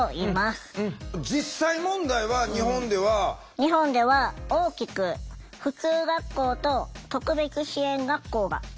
日本では大きく普通学校と特別支援学校があります。